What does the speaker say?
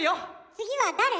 次は誰？